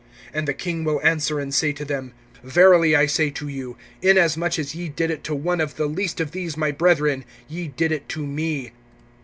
(40)And the King will answer and say to them: Verily I say to you, inasmuch as ye did it to one of the least of these my brethren, ye did it to me.